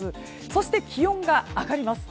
そして、気温が上がります。